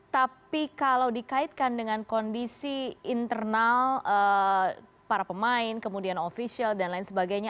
tapi kalau dikaitkan dengan kondisi internal para pemain kemudian ofisial dan lain sebagainya